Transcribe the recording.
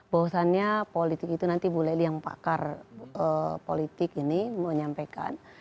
bahwasannya politik itu nanti bu lely yang pakar politik ini mau nyampaikan